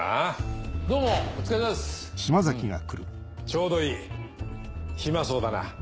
ちょうどいい暇そうだな。